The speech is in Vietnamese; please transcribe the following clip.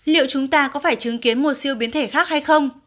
liệu chúng ta có phải chứng kiến một siêu biến thể khác hay không